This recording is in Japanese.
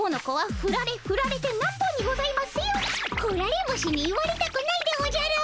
ふられ虫に言われたくないでおじゃる！